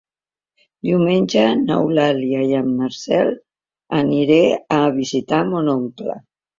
Diumenge n'Eulàlia i en Marcel aniré a visitar mon oncle.